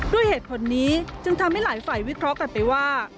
ด้วยเหตุผลนี้จึงทำให้หลายฝ่ายวิเคราะห์กันไปว่า